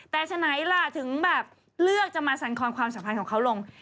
แต่ฉะไหนล่ะถึงแบบเลือกจะมาสันคอนความสัมพันธ์ของเขาลง